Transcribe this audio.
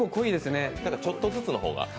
ちょっとずつの方が。